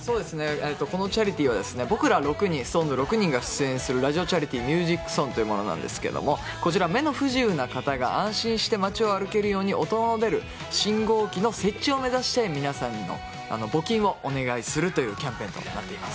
このチャリティーは僕らＳｉｘＴＯＮＥＳ６人が出演するラジオ・チャリティ・ミュージックソンというものなんですが目の不自由な方が安心して街を歩けるように音の出る信号機の設置を目指して皆さんに募金をお願いするというキャンペーンとなっています。